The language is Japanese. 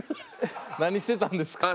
何してたんですか？